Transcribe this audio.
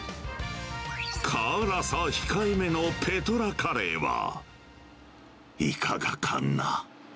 辛さ控えめのペトラカレーは、いかがかな？